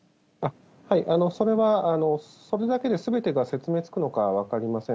それは、それだけですべてが説明つくのかは分かりません。